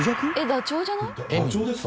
ダチョウじゃない？